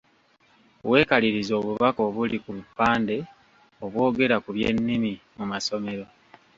Weekalirize obubaka obuli ku bupande obwogera ku by’ennimi mu masomero.